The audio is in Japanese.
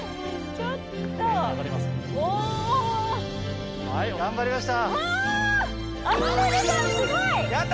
ちょっとおはい頑張りました！